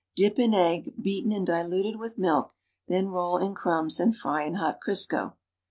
Dip in egg, beaten and diluted with milk, then roll in crumbs and fry in hot Crisco.